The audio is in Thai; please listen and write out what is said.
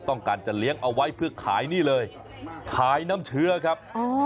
ต้องการจะเลี้ยงเอาไว้เพื่อขายนี่เลยขายน้ำเชื้อครับ